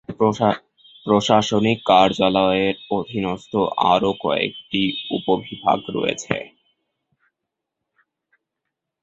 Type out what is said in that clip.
প্রশাসনিক কার্যালয়ের অধীনস্থ আরো কয়েকটি উপবিভাগ রয়েছে।